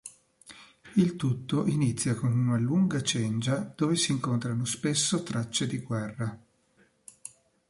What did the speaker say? Il tutto inizia con una lunga cengia dove si incontrano spesso tracce di guerra.